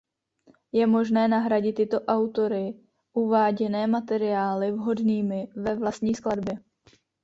Je možné nahradit tyto autory uváděné materiály vhodnými ve vlastní skladbě.